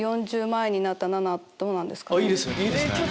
４０前になったナナどうなんですかね。